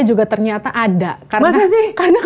juga ternyata ada masa sih karena